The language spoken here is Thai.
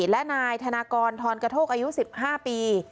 และนายธนากรทรกระโทกอายุ๑๕ปี